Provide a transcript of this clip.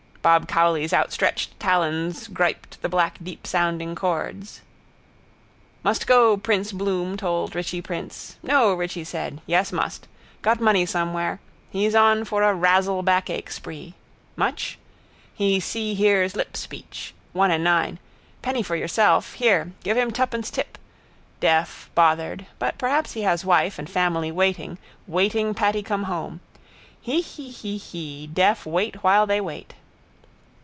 Bob Cowley's outstretched talons griped the black deepsounding chords. Must go prince Bloom told Richie prince. No, Richie said. Yes, must. Got money somewhere. He's on for a razzle backache spree. Much? He seehears lipspeech. One and nine. Penny for yourself. Here. Give him twopence tip. Deaf, bothered. But perhaps he has wife and family waiting, waiting Patty come home. Hee hee hee hee. Deaf wait while they wait.